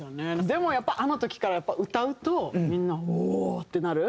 でもやっぱあの時から歌うとみんな「おおー！」ってなる。